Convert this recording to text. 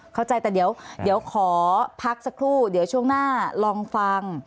เข้าใจแต่เดี๋ยวขอพักสักครู่เดี๋ยวช่วงหน้าลองฟัง